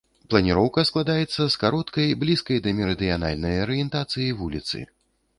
Планіроўка складаецца з кароткай, блізкай да мерыдыянальнай арыентацыі вуліцы.